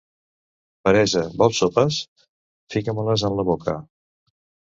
Peresa, vols sopes? —Fica-me-les en la boca.